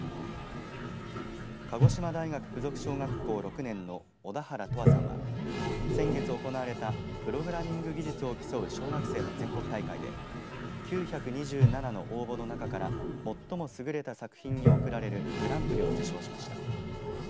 鹿児島大学附属小学校６年の小田原叶和さんは先日行われたプログラミング技術を競う小学生の全国大会で９２７の応募の中から最もすぐれた作品に贈られるグランプリを受賞しました。